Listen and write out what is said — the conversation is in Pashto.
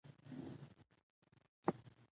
قرآن فرمایي: دا د شرم او وحشت دومره لویه خبره ده.